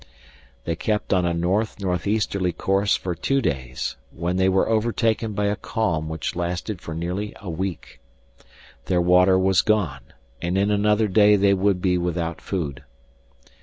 They kept on a north northeasterly course for two days, when they were overtaken by a calm which lasted for nearly a week. Their water was gone, and in another day they would be without food.